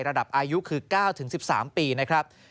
ระดับอายุคือ๙๑๓ปีนะครับ